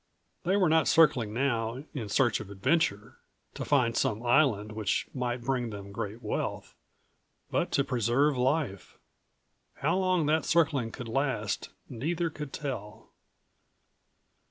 They196 were not circling now in search of adventure, to find some island which might bring them great wealth, but to preserve life. How long that circling could last, neither could tell.